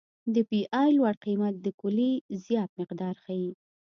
د پی ای لوړ قیمت د کلې زیات مقدار ښیي